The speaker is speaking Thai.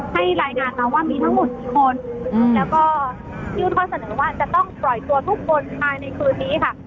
ให้รายงานมาว่ามีทั้งหมดกี่คนแล้วก็ยื่นข้อเสนอว่าจะต้องปล่อยตัวทุกคนภายในคืนนี้ค่ะ